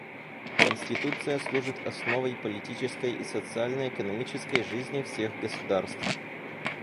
Конституция служит основой политической и социально-экономической жизни всех государств.